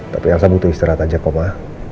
tapi elsa butuh istirahat aja kok ma